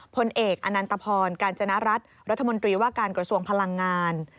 พลเอกอนันตพรกาญจนรัฐรัฐมนตรีว่าการกระทรวงพลังงาน